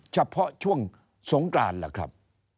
เฉพาะช่วงสงกรานล่ะครับ